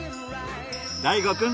大琥くん